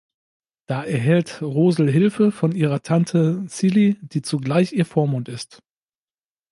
Da erhält Rosl Hilfe von ihrer Tante Cilli, die zugleich ihr Vormund ist.